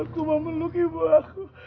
aku mau meluk ibu aku